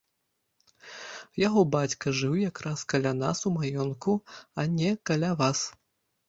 Яго бацька жыў якраз каля нас у маёнтку, а не каля вас.